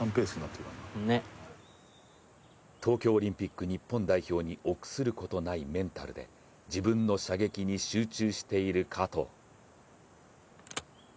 東京オリンピック日本代表に臆することないメンタルで、自分の射撃に集中している加藤。